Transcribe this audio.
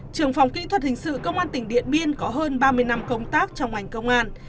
trường phòng kỹ thuật hình sự công an tỉnh điện biên có hơn ba mươi năm công tác trong ngành công an